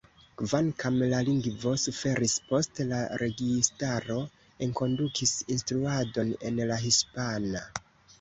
Kvankam, la lingvo suferis post la registaro enkondukis instruadon en la hispana.